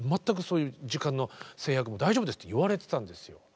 全くそういう時間の制約も大丈夫ですって言われてたんですよ。